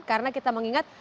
karena kita mengingat